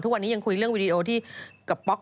ทุกวันนี้ยังคุยเรื่องวีดีโอที่กับป๊อก